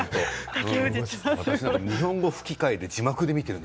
私なんて日本語吹き替えで字幕で見ている。